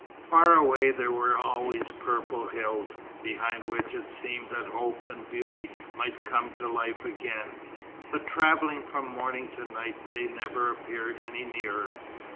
Far away there were always purple hills, behind which it seemed that hope and beauty might come to life again; but travelling from morning to night they never appeared any nearer.